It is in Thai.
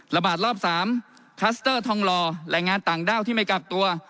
ระบาดรอบ๓คลัสเตอร์ทองหล่อแรงงานต่างด้าวที่ไม่กักตัว